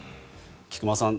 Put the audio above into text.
菊間さん